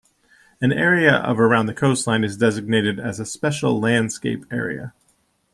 An area of around the coastline is designated as a Special Landscape Area.